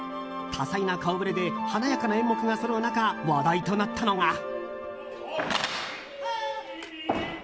多彩な顔ぶれで華やかな演目がそろう中話題となったのが。